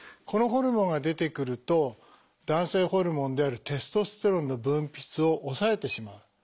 このホルモンが出てくると男性ホルモンであるテストステロンの分泌を抑えてしまう。